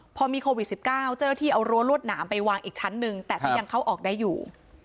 พอมีโควิด๑๙เจ้าหน้าที่เอารั้วรวดหนามไปวางอีกชั้นหนึ่งแต่ก็ยังเข้าออกได้อยู่